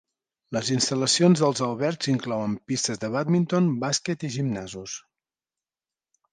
Les instal·lacions dels albergs inclouen pistes de bàdminton, bàsquet i gimnasos.